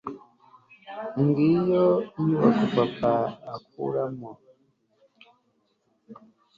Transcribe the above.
ngiyo inyubako papa akoreramo